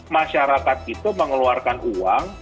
masyarakat itu mengeluarkan uang